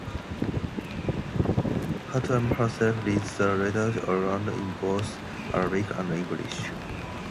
Hatoum herself reads the letters aloud in both Arabic and English.